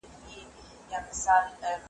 خره پرخوله لغته ورکړله محکمه .